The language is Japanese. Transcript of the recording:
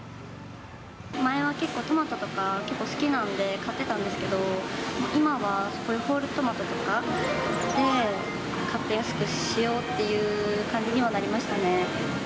前は結構、トマトとか結構好きなんで買ってたんですけど、今はホールトマトとかで買って安くしようっていう感じにはなりま